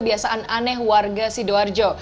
kebiasaan aneh warga sidoarjo